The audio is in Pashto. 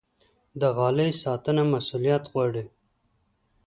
د غالۍ ساتنه مسوولیت غواړي.